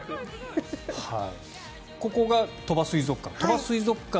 ここが鳥羽水族館。